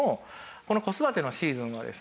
この子育てのシーズンはですね